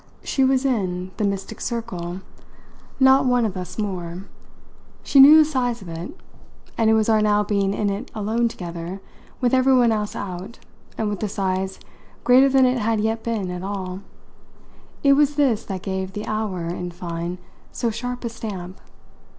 She was in the mystic circle not one of us more; she knew the size of it; and it was our now being in it alone together, with everyone else out and with the size greater than it had yet been at all it was this that gave the hour, in fine, so sharp a stamp.